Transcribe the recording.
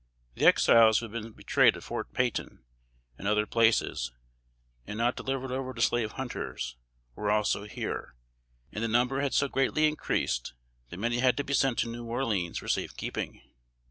The Exiles who had been betrayed at Fort Peyton and other places, and not delivered over to slave hunters, were also here; and the number had so greatly increased, that many had to be sent to New Orleans for safe keeping.